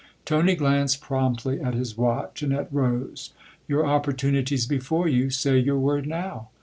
Tony glanced promptly at his watch and at Rose, "Your opportunity's before you say your word now.